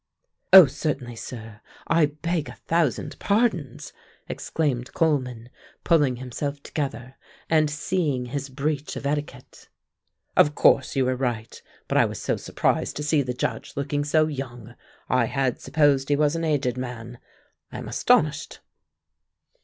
"Oh certainly, sir; I beg a thousand pardons!" exclaimed Coleman, pulling himself together and seeing his breach of etiquette. "Of course you were right; but I was so surprised to see the Judge looking so young. I had supposed he was an aged man. I am astonished."